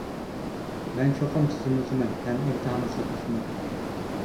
مەن چوقۇم تىزىملىتىمەن ھەم ئىمتىھانغا قاتنىشىمەن.